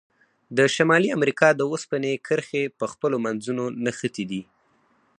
د شمالي امریکا د اوسپنې کرښې په خپلو منځونو نښتي دي.